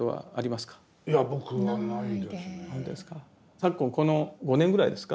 昨今この５年ぐらいですか。